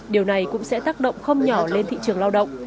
điều này cũng sẽ tác động không nhỏ lên thị trường lao động